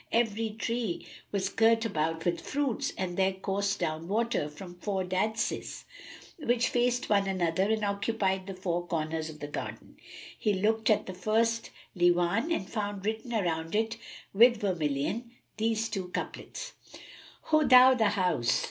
Every tree was girt about with fruits and there coursed down water from four daďses, which faced one another and occupied the four corners of the garden. He looked at the first Líwán and found written around it with vermilion these two couplets, "Ho thou the House!